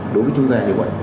đối với chúng ta như vậy